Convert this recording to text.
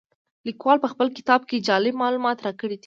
لیکوال په خپل کتاب کې جالب معلومات راکړي دي.